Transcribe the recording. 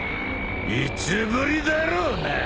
いつぶりだろうなぁ！